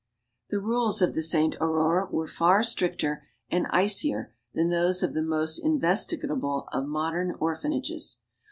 The rules of the Sainte Aurore were far stricter and icier than those of the most investigatable of modern orphanages.